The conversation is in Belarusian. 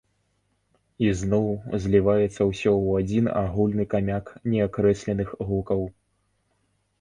І зноў зліваецца ўсё ў адзін агульны камяк неакрэсленых гукаў.